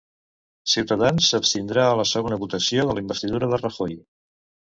Cs s'abstindrà a la segona votació de la investidura de Rajoy.